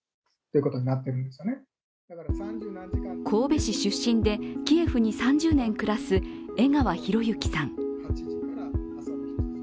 神戸市出身でキエフに３０年暮らす江川裕之さん。